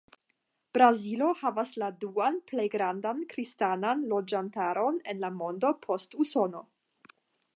Brazilo havas la duan plej grandan kristanan loĝantaron en la mondo post Usono.